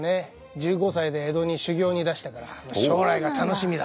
１５歳で江戸に修行に出したから将来が楽しみだ。